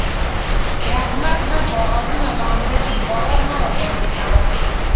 د احمد هم کاغذونه لانده دي؛ باور مه ورباندې کوه.